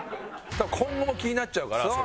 今後も気になっちゃうからそれ。